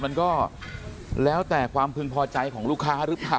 มันก็แล้วแต่ความพึงพอใจของลูกค้าหรือเปล่า